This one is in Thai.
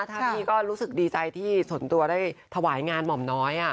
ถ้าพี่ก็รู้สึกดีใจที่ส่วนตัวได้ถวายงานหม่อมน้อย